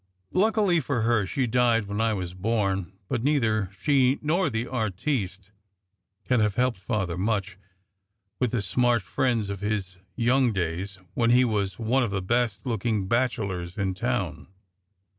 Luckily for her, she died when I was born; but neither she nor the "artiste" can have helped Father much, with the smart friends of his young days when he was one of the best looking bachelors in town.